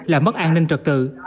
là mất an ninh trực tự